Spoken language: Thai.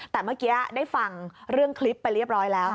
แต่เมื่อกี้ได้ฟังเรื่องคลิปไปเรียบร้อยแล้ว